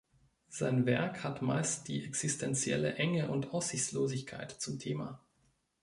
Sein Werk hat meist die existenzielle Enge und Aussichtslosigkeit zum Thema.